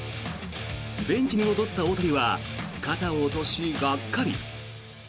ベンチに戻った大谷は肩を落としがっかり。